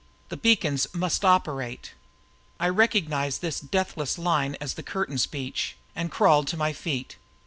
The beacons must operate!" I recognized this deathless line as the curtain speech and crawled to my feet.